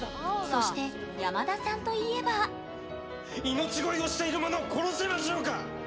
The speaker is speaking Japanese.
そして山田さんといえば命乞いをしている者を殺せましょうか！